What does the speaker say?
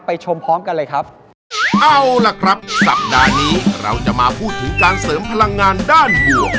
ชมพร้อมกันเลยครับเอาล่ะครับสัปดาห์นี้เราจะมาพูดถึงการเสริมพลังงานด้านบวก